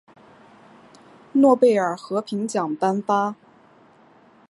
诺贝尔和平奖颁发。